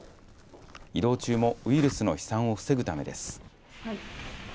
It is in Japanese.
移動中もウイルスの飛散を防ぐためです。